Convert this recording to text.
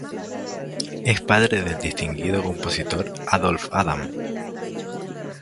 Es padre del distinguido compositor Adolphe Adam.